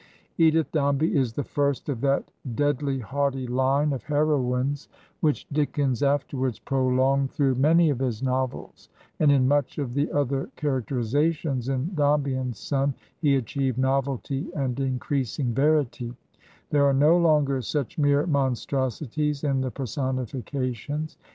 Edith Dombey is the first of that deadly haughty line of heroines which Dickens afterwards prolonged through 143 Digitized by VjOOQIC HEROINES OF FICTION many of his novels ; and in much of the other charac terizations in ''Dombey and Son" he achieved novelty and increasing verity. There are no longer such mere monstrosities in the personifications.